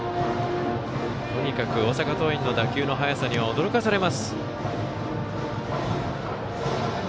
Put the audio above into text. とにかく大阪桐蔭の打球の速さには驚かされます。